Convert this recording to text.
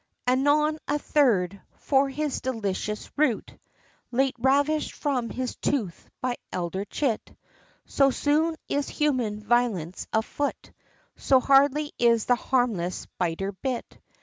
XVIII. Anon a third, for his delicious root, Late ravish'd from his tooth by elder chit, So soon is human violence afoot, So hardly is the harmless biter bit!